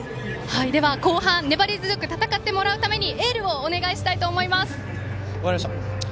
では、後半粘り強く戦ってもらうためにエールをお願いしたいと思います。